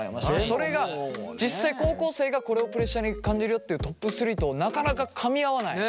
それが実際高校生がこれをプレッシャーに感じるよっていうトップ３となかなかかみ合わない。